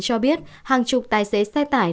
cho biết hàng chục tài xế xe tải